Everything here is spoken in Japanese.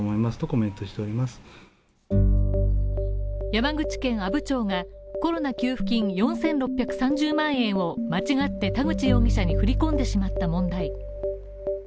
山口県阿武町がコロナ給付金４６３０万円を間違って、田口容疑者に振り込んでしまった問題。